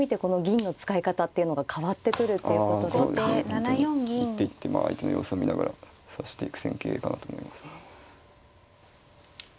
本当に一手一手相手の様子を見ながら指していく戦型かなと思います。